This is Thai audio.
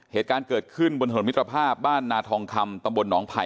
เหตุการณ์เกิดขึ้นบนถนนมิตรภาพบ้านนาทองคำตำบลหนองไผ่